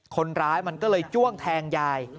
คนร้ายมันก็เลยจ้วงแทงยาย